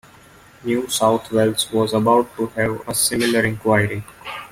New South Wales was about to have a similar inquiry.